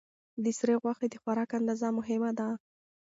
د سرې غوښې د خوراک اندازه مهمه ده.